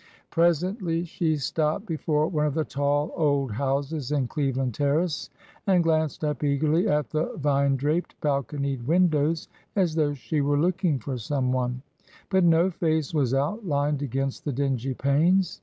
Presently she stopped before one of the tall old houses in Cleveland Terrace, and glanced up eagerly at the vine draped, balconied windows, as though she were looking for some one; but no face was outlined against the dingy panes.